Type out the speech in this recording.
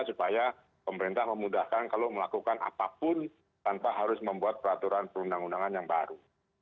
supaya pemerintah memudahkan kalau melakukan apapun tanpa harus membuat peraturan perundang undangan yang baru